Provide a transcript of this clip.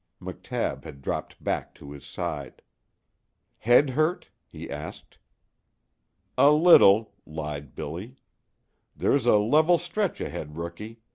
McTabb had dropped back to his side. "Head hurt?" he asked. "A little," lied Billy. "There's a level stretch ahead, Rookie.